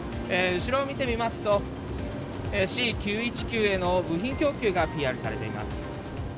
後ろを見てみますとＣ９１９への部品供給がＰＲされています。